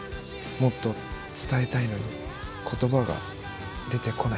もっと伝えたいのに言葉が出てこない。